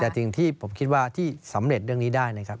แต่สิ่งที่ผมคิดว่าที่สำเร็จเรื่องนี้ได้นะครับ